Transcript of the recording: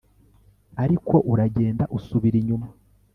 Ariko uragenda usubira inyuma